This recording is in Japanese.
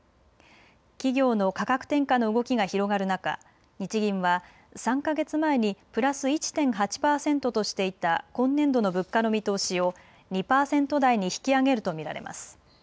企業の価格転嫁の動きが広がる中、日銀は３か月前にプラス１．８％としていた今年度の物価の見通しを２％台に引き上げると見られます。